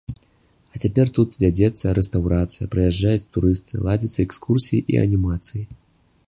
А цяпер тут вядзецца рэстаўрацыя, прыязджаюць турысты, ладзяцца экскурсіі і анімацыі.